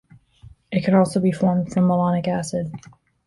It can also be formed from malonic acid.